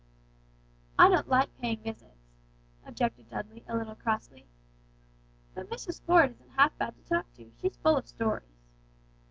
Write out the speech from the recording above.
"I don't like paying visits," objected Dudley, a little crossly. "But Mrs. Ford isn't half bad to talk to, she's full of stories."